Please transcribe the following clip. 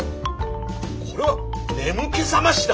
これは眠気覚ましだ！